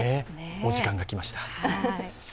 お時間がきました。